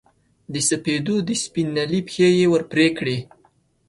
د سپېدو د سپین نیلي پښې یې ور پرې کړې